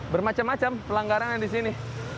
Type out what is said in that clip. bermacam macam pelanggarannya di sini